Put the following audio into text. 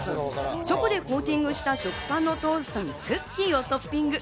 チョコでコーティングした食パンのトーストにクッキーをトッピング。